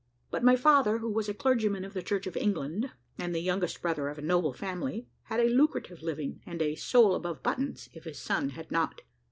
But my father, who was a clergyman of the Church of England, and the youngest brother of a noble family, had a lucrative living, and a "soul above buttons," if his son had not.